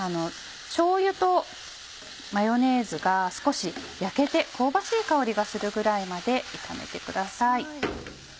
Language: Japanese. しょうゆとマヨネーズが少し焼けて香ばしい香りがするぐらいまで炒めてください。